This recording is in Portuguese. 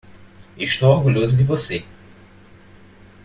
Estou orgulhoso de você.